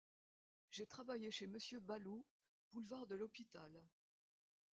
J’ai travaillé chez monsieur Baloup, boulevard de l’Hôpital.